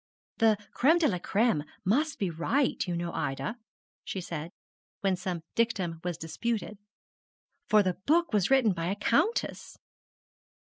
'The "Crême de la Crême" must be right, you know, Ida,' she said, when some dictum was disputed, 'for the book was written by a Countess.'